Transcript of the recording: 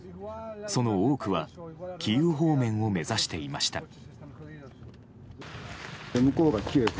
その多くはキーウ方面を目指していました。